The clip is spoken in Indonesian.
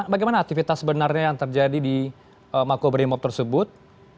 bagaimana aktivitas sebenarnya yang terjadi di makobrimob tersebut